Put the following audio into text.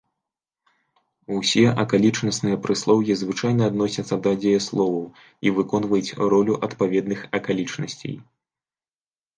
Усе акалічнасныя прыслоўі звычайна адносяцца да дзеясловаў і выконваюць ролю адпаведных акалічнасцей.